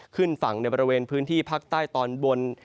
ขึ้นฝั่งในบริเวณพื้นที่ภาคใต้ตอนบน